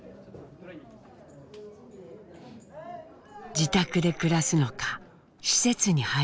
自宅で暮らすのか施設に入るのか。